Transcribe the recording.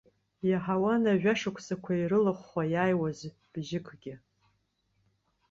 Иаҳауан ажәашықәсақәа ирылыхәхәа иааиуаз бжьыкгьы.